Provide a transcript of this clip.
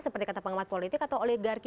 seperti kata pengamat politik atau oligarki